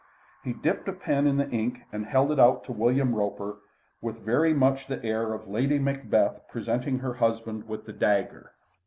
He dipped a pen in the ink and held it out to William Roper with very much the air of Lady Macbeth presenting her husband with the dagger.